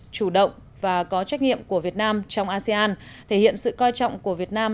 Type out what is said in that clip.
chủ động và có trách nhiệm của việt nam trong asean thể hiện sự coi trọng của việt nam